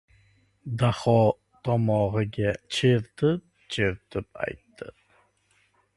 Daho tomog‘iga chertib-chertib aytdi: